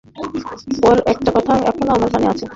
ওর একটা কথা এখনো আমার মনে আছে।